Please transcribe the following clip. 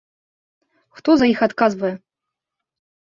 Хто за іх адказвае?